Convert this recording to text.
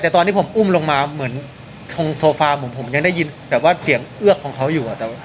แต่ตอนที่ผมอุ้มลงมาเหมือนตรงโซฟาผมผมยังได้ยินแบบว่าเสียงเอือกของเขาอยู่